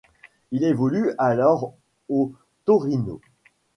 Il évolue alors au Torino.